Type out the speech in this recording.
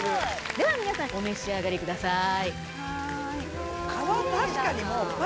では皆さんお召し上がりください。